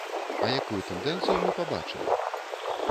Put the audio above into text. А якую тэндэнцыю мы пабачылі?